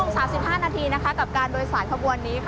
๓ชั่วโมง๓๕นาทีกับการโดยสายขบวนนี้